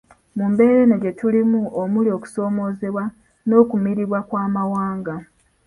Mu mbeera eno gye tulimu omuli okusoomoozebwa n’okumiribwa kw’Amawanga.